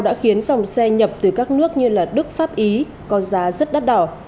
đã khiến dòng xe nhập từ các nước như đức pháp ý có giá rất đắt đỏ